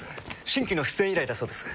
新規の出演依頼だそうです。